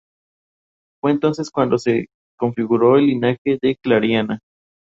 Inicialmente, escribió cuentos de carácter modernista y generalmente fantásticos, publicados en la prensa.